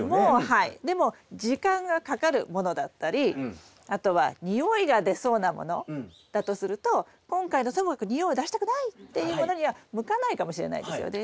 はいでも時間がかかるものだったりあとは臭いが出そうなものだとすると今回のともかく臭いを出したくないっていうものには向かないかもしれないですよね。